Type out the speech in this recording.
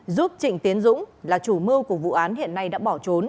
giúp trịnh tiến dũng là chủ mưu của vụ án hiện nay đã bỏ trốn